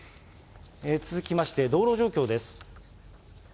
続きまして、道路状況です。